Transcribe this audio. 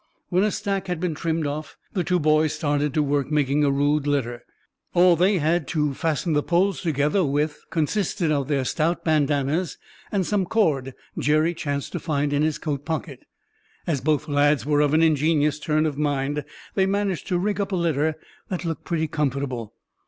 When a stack had been trimmed off, the two boys started to work making a rude litter. All they had to fasten the poles together with consisted of their stout bandannas and some cord Jerry chanced to find in his coat pocket. As both lads were of an ingenious turn of mind, they managed to rig up a litter that looked pretty comfortable.